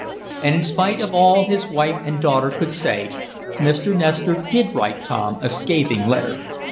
And in spite of all his wife and his daughter could say, Mr. Nestor did write Tom a scathing letter.